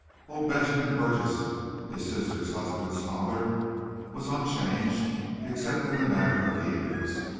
Old Benjamin Burgess, his sister's husband's father, was unchanged except in the matter of years.